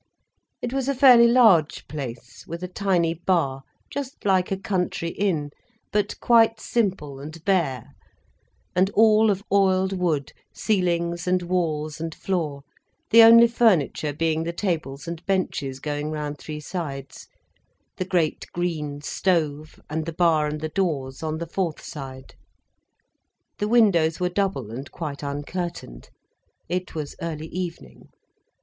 It was a fairly large place, with a tiny bar, just like a country inn, but quite simple and bare, and all of oiled wood, ceilings and walls and floor, the only furniture being the tables and benches going round three sides, the great green stove, and the bar and the doors on the fourth side. The windows were double, and quite uncurtained. It was early evening.